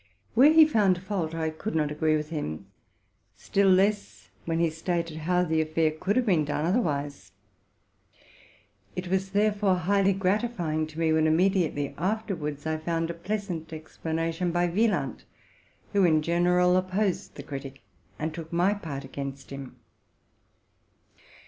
Where he found fault, I could not agree with him, — still less when he stated how the affair could have been done otherwise. It was therefore highly gratifying to me, when se acta a afterwards I found a pleasant explanation by Wieland, who in general opposed the critic, and took my part against him.